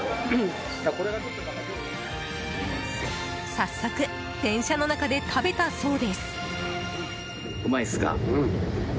早速、電車の中で食べたそうです。